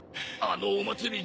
・あのお祭り